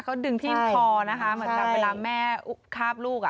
เขาดึงที่คอดูอย่างเช่นเวลาแม่ข้าบลูก